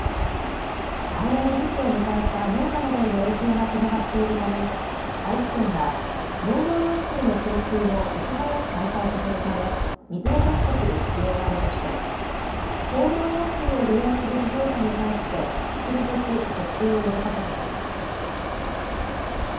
田植えの時期を迎えた農家などへの影響が広がっているため愛知県は農業用水の供給をいち早く再開させるため水を確保する必要があるとして工業用水を利用する事業者に対して引き続き節水を呼びかけています。